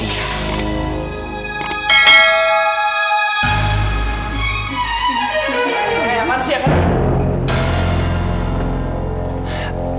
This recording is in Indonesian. nih aman sih ya kan